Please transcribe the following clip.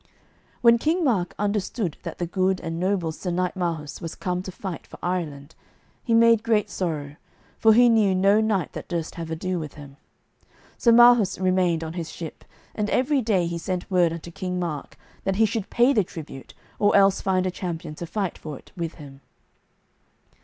When King Mark understood that the good and noble knight Sir Marhaus was come to fight for Ireland, he made great sorrow, for he knew no knight that durst have ado with him. Sir Marhaus remained on his ship, and every day he sent word unto King Mark that he should pay the tribute or else find a champion to fight for it with him.